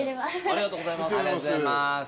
ありがとうございます。